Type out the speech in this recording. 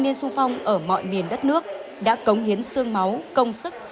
niên xu phong ở mọi miền đất nước đã cống hiến sương máu công sức